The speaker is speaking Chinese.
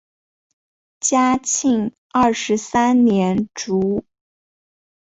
嘉庆二十三年卒。